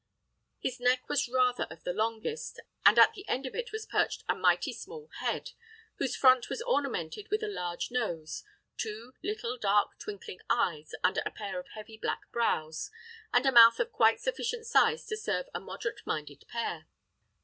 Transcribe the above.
His neck was rather of the longest, and at the end of it was perched a mighty small head, whose front was ornamented with a large nose, two little, dark, twinkling eyes under a pair of heavy black brows, and a mouth of quite sufficient size to serve a moderate minded pair.